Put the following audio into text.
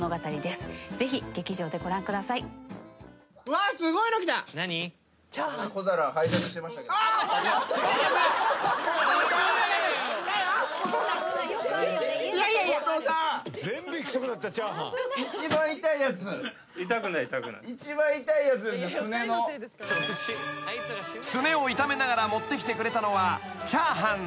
［すねを痛めながら持ってきてくれたのは］